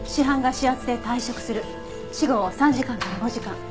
死後３時間から５時間。